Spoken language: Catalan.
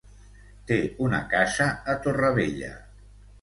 Té una casa a Torrevella.